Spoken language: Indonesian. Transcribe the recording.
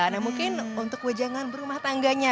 nah mungkin untuk wejangan berumah tangganya